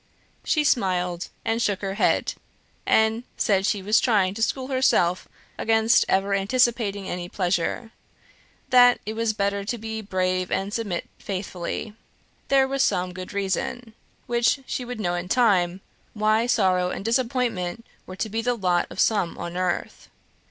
She smiled, and shook her head, and said she was trying to school herself against ever anticipating any pleasure; that it was better to be brave and submit faithfully; there was some good reason, which we should know in time, why sorrow and disappointment were to be the lot of some on earth.